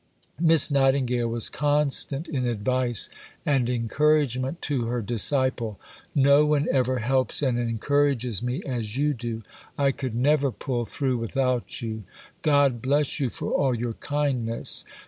Miss Nightingale was constant in advice and encouragement to her disciple. "No one ever helps and encourages me as you do." "I could never pull through without you." "God bless you for all your kindness."